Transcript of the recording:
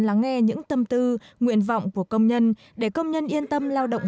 lắng nghe các bài hỏi của các công nhân lao động